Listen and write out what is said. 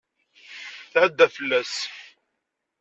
Tɛedda fell-as.